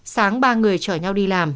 sáng ba người chở nhau đi làm